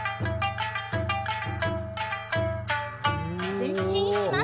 前進します。